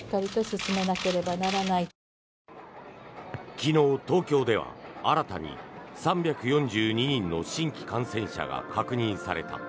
昨日、東京では新たに３４２人の新規感染者が確認された。